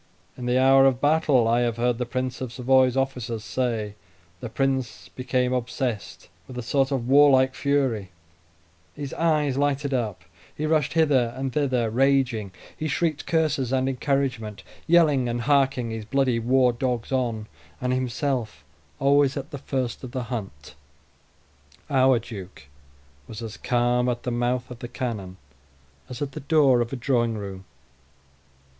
In the hour of battle I have heard the Prince of Savoy's officers say, the Prince became possessed with a sort of warlike fury; his eyes lighted up; he rushed hither and thither, raging; he shrieked curses and encouragement, yelling and harking his bloody war dogs on, and himself always at the first of the hunt. Our duke was as calm at the mouth of the cannon as at the door of a drawing room.